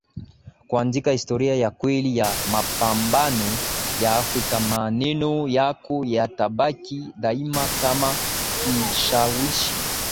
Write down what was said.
kuandika historia ya kweli ya mapambano ya Afrika maneno yako yatabaki daima kama kishawishi